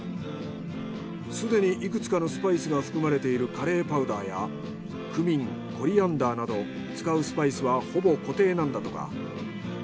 すでにいくつかのスパイスが含まれているカレーパウダーやクミンコリアンダーなど使うスパイスはほぼ固定なんだとか。